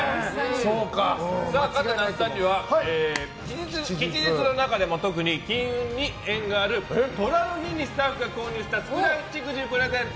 勝った那須さんには吉日の中でも特に金運に縁がある寅の日に購入したスクラッチくじをプレゼント！